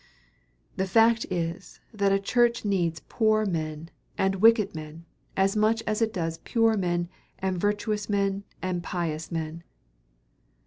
The fact is that a church needs poor men and wicked men as much as it does pure men and virtuous men and pious men.